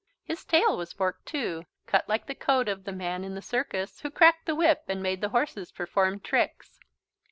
His tail was forked too, cut like the coat of the man in the circus who cracked the whip and made the horses perform tricks.